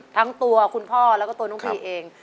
ทั้งตัวคุณพ่อแล้วก็ตัวน้องพีเอง